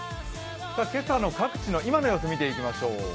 今朝の各地の今の様子を見てみましょう。